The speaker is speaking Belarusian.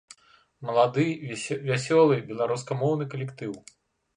Малады вясёлы беларускамоўны калектыў.